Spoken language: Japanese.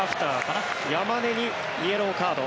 山根にイエローカード。